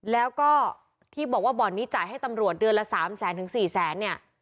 แล้วก็ที่บอกว่าบ่อนนี้จ่ายให้ตำรวจเดือนละ๓แสนถึง๔แสนเนี่ย